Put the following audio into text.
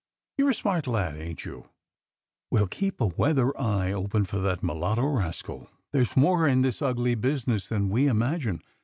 You're a smart lad, ain't yoxi? Well, keep a weather eye open for that mulatto rascal. There's more in this ugly business than we imagine.